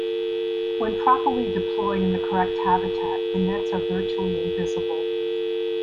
When properly deployed in the correct habitat, the nets are virtually invisible.